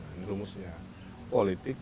ini rumusnya politik